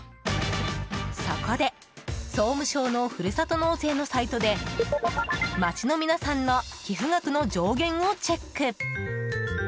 そこで、総務省のふるさと納税のサイトで街の皆さんの寄付額の上限をチェック。